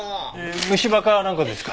虫歯かなんかですか？